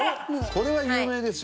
これは有名ですよ。